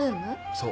そう。